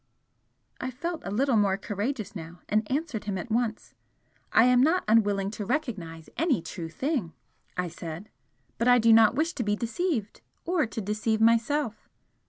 I felt a little more courageous now, and answered him at once. "I am not unwilling to recognise any true thing," I said "But I do not wish to be deceived or to deceive myself."